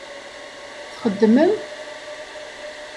Txeddmem?